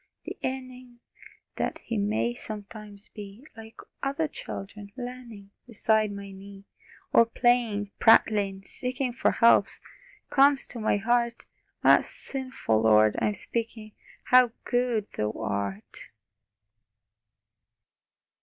the yearning That He may sometimes be Like other children, learning Beside my knee, Or playing, prattling, seeking For help comes to my heart.... Ah sinful, Lord, I'm speaking How good Thou art!